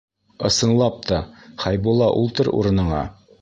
Ысынлап та, Хәйбулла, ултыр урыныңа.